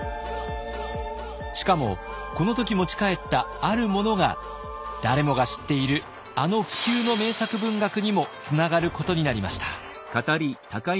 しかもこの時持ち帰ったあるものが誰もが知っているあの不朽の名作文学にもつながることになりました。